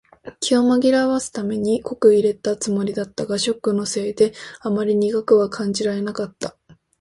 気を紛らわすために濃く淹れたつもりだったが、ショックのせいかあまり苦くは感じなかった。